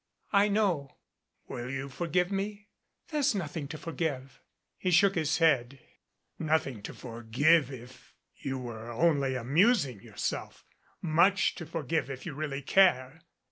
I know." "Will you forgive me?" "There's nothing to forgive." He shook his head. "Nothing to forgive if you were only amusing your self much to forgive if you really care